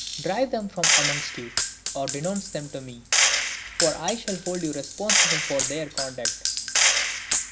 Drive them from amongst you, or denounce them to me, for I shall hold you responsible for their conduct."